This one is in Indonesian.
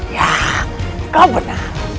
ya kau benar